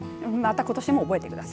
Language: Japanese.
ことしも覚えてください。